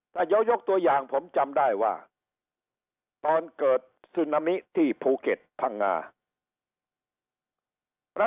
ถ้ายกตัวอย่างผมจำได้ว่าตอนเกิดซึนามิที่ภูเก็ตพังงา